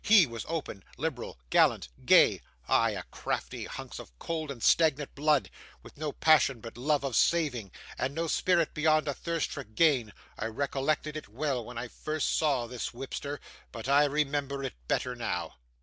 HE was open, liberal, gallant, gay; I a crafty hunks of cold and stagnant blood, with no passion but love of saving, and no spirit beyond a thirst for gain. I recollected it well when I first saw this whipster; but I remember it better now.